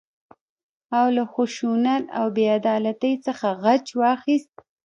او له خشونت او بې عدالتۍ څخه غچ واخيست.